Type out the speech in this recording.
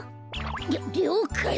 りょりょうかい！